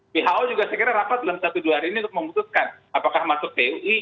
pho juga sekiranya rapat dalam satu dua hari ini untuk memutuskan apakah masuk pu